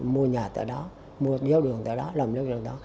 mua nhà tại đó mua giáo đường tại đó làm giáo đường tại đó